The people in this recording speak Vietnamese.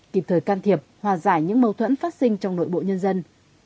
kịp thời can thiệp hòa giải những mâu thuẫn phát sinh trong nội bộ nhân dân